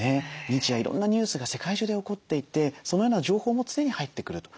日夜いろんなニュースが世界中で起こっていてそのような情報も常に入ってくる。